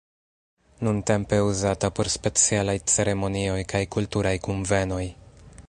Nuntempe uzata por specialaj ceremonioj kaj kulturaj kunvenoj.